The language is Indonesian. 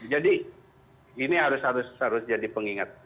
jadi ini harus harus jadi pengingat